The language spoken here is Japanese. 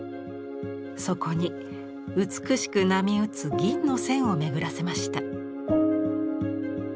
そこに美しく波打つ銀の線を巡らせました。